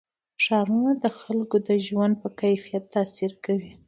ښارونه د خلکو د ژوند په کیفیت تاثیر کوي.